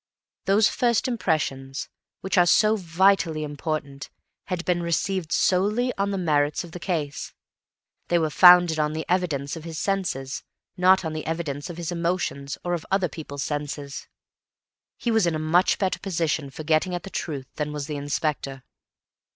Those first impressions, which are so vitally important, had been received solely on the merits of the case; they were founded on the evidence of his senses, not on the evidence of his emotions or of other people's senses. He was in a much better position for getting at the truth than was the Inspector.